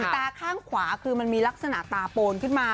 ตาข้างขวาคือมันมีลักษณะตาโปนขึ้นมา